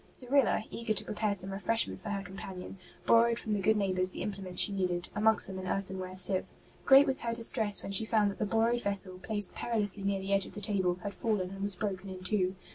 Cyrilla, eager to pre pare some refreshment for her companion, borrowed from the good neighbours the implements she needed, amongst them an earthenware sieve. Great was her distress when she found that the borrowed vessel, placed perilously near the edge of the table, had fallen and was broken in two.